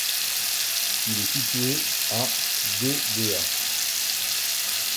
Il est situé à d'Edéa.